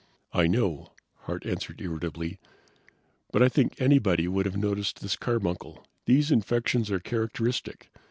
"I know," Hart answered irritably, "but I think anybody would have noticed this carbuncle; these infections are characteristic.